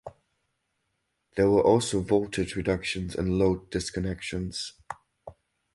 There were also voltage reductions and load disconnections.